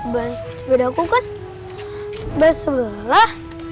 bahan sepedaku kan bahan sebelah